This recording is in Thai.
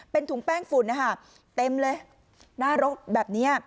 เป็นถุงแป้งฝุ่นนะคะเต็มเลยหน้ารถแบบนี้